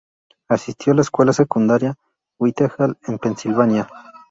Asistió a la Escuela Secundaria Whitehall, en Pensilvania.